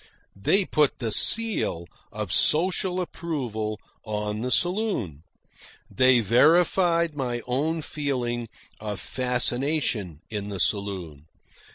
They put the seal of social approval on the saloon. They verified my own feeling of fascination in the saloon.